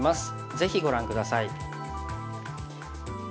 ぜひご覧下さい。